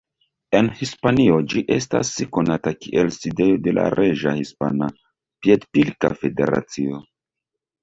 En Hispanio ĝi estas konata kiel sidejo de la Reĝa Hispana Piedpilka Federacio.